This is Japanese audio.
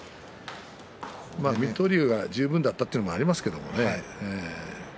水戸龍が十分だったということもありますけれどね。